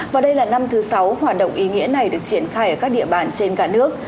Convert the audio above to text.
và đây là năm thứ sáu hoạt động ý nghĩa này được triển khai ở các địa bàn trên cả nước